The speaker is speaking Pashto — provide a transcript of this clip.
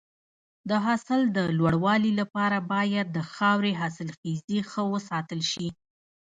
د حاصل د لوړوالي لپاره باید د خاورې حاصلخیزي ښه وساتل شي.